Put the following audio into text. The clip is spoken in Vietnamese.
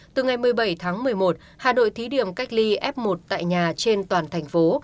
từ ngày một mươi bảy tháng một mươi một hà nội thí điểm cách ly f một tại nhà trên toàn thành phố